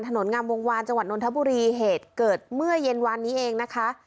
งามวงวานจังหวัดนทบุรีเหตุเกิดเมื่อเย็นวานนี้เองนะคะ